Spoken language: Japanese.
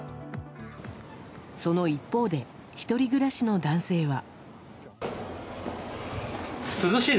その一方で１人暮らしの男性は。